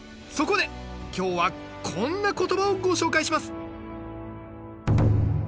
そこで今日はこんな言葉をご紹介します